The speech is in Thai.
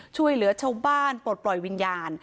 ช่วยเหลือชาวบ้านปลดปล่อยวิญญาณ